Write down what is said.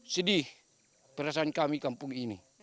sedih perasaan kami kampung ini